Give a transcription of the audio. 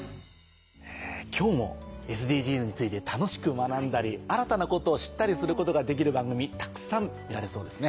今日もＳＤＧｓについて楽しく学んだり新たなことを知ったりすることができる番組たくさん見られそうですね。